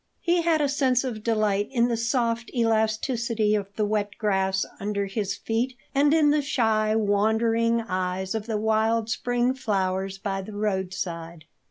He had a sense of delight in the soft elasticity of the wet grass under his feet and in the shy, wondering eyes of the wild spring flowers by the roadside.